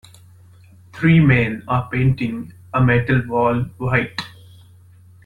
Three men are painting a metal wall white.